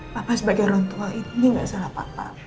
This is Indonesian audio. papa sebagai orang tua ini gak salah papa